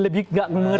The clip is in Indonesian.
lebih nggak ngerti